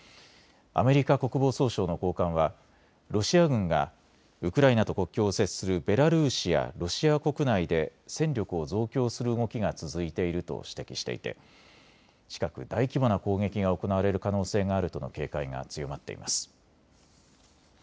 アメリカ国防総省の高官はロシア軍がウクライナと国境を接するベラルーシやロシア国内で戦力を増強する動きが続いていると指摘していて近く大規模な攻撃が行われる可能性があるとの警戒が強まっています。